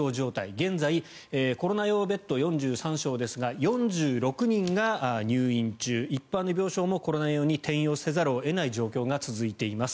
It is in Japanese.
現在、コロナ用ベッドは４３床ですが４６人が入院中一般の病床もコロナ用に転用せざるを得ない状況が続いています。